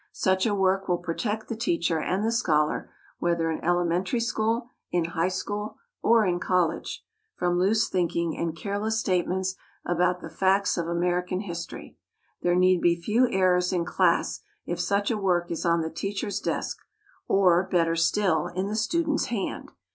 Such a work will protect the teacher and the scholar, whether in elementary school, in high school, or in college, from loose thinking and careless statements about the facts of American history. There need be few errors in class if such a work is on the teacher's desk, or, better still, in the student's hand.